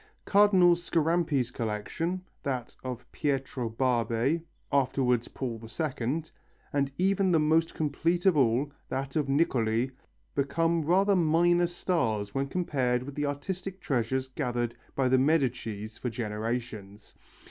Cardinal Scarampi's collection, that of Pietro Barbe, afterwards Paul II, and even the most complete of all, that of Niccoli, become rather minor stars when compared with the artistic treasures gathered by the Medicis for generations.